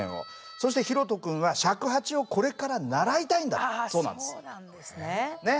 そして大翔君は尺八をこれから習いたいんだそうなんです。ね？